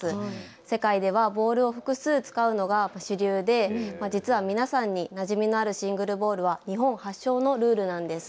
世界ではボールを複数使うのが主流で実は皆さんになじみのあるシングルボールは日本発祥のルールなんです。